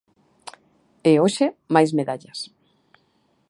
E, hoxe, máis medallas.